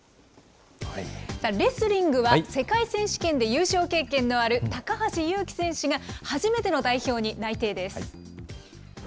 レスリングは、世界選手権で優勝経験のある高橋侑希選手が初めての代表に内定です。